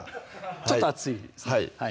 ちょっと熱いです